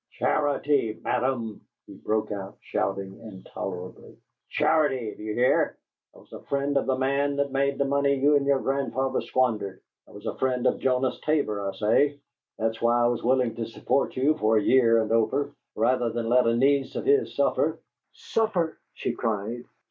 "Charity, madam!" he broke out, shouting intolerably. "Charity, d'ye hear? I was a friend of the man that made the money you and your grandfather squandered; I was a friend of Jonas Tabor, I say! That's why I was willing to support you for a year and over, rather than let a niece of his suffer." "'Suffer'!" she cried.